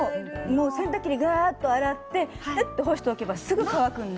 洗濯機でガーッと洗ってぴっと干しておけばすぐ乾くので。